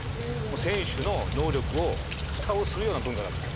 選手の能力をふたをするような文化だった。